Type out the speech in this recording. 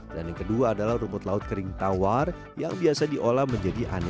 dan yang kedua adalah rumput laut kering tawar yang biasa diolah menjadi aneh aneh